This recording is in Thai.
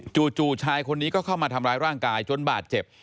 ชายคนนี้ก็เข้ามาทำร้ายร่างกายจนบาดเจ็บ